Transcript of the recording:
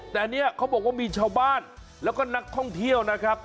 แต่เนี่ยเขาบอกว่ามีชาวบ้านแล้วก็นักท่องเที่ยวนะครับ